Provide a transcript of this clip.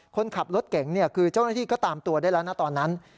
คนขับรถเก่งคือเจ้าหน้าที่ก็ตามตัวได้แล้วนะตอนนั้น